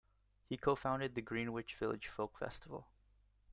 He co-founded the Greenwich Village Folk Festival.